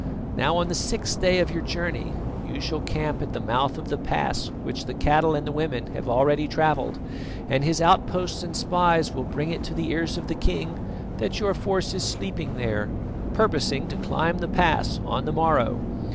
Now, on the sixth day of your journey you shall camp at the mouth of the pass which the cattle and the women have already travelled, and his outposts and spies will bring it to the ears of the king that your force is sleeping there, purposing to climb the pass on the morrow.